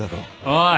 おい！